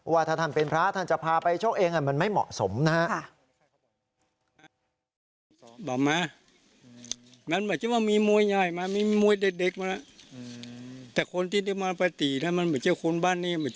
ว่าถ้าท่านเป็นพระท่านจะพาไปโชคเองมันไม่เหมาะสมนะฮะ